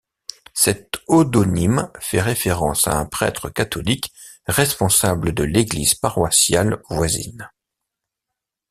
Cet odonyme fait référence à un prêtre catholique responsable de l’église paroissiale voisine.